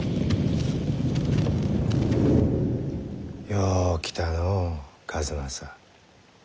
よう来たのう数正。